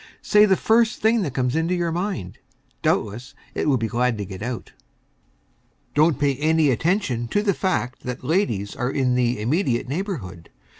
Say the first thing that comes into your mind. Doubtless, it will be glad to get out. Don't pay any attention to the fact that ladies are in the immediate neighborhood.